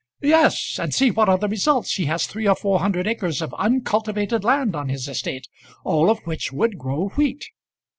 "Yes; and see what are the results! He has three or four hundred acres of uncultivated land on his estate, all of which would grow wheat."